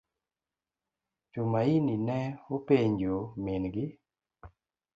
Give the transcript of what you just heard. Tumaini ne openjo min gi.